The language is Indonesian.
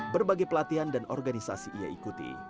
berbagai pelatihan dan organisasi ia ikuti